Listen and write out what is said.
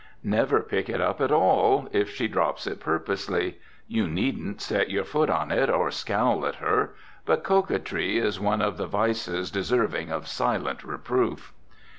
Never pick it up at all, if she drops it purposely. You needn't set your foot on it, or scowl at her; but coquetry is one of the vices deserving of silent reproof.